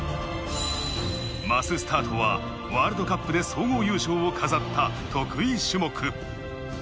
マススタートはワールドカップで総合優勝を飾った得意種目。